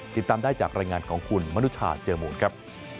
ติดตามได้จากรายงานของคุณมนุชาเจอมูลครับ